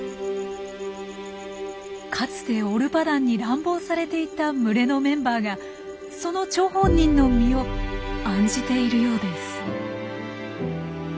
かつてオルパダンに乱暴されていた群れのメンバーがその張本人の身を案じているようです。